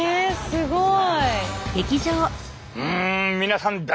すごい。